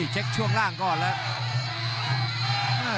โอ้โหเช็คช่วงล่างก่อนละ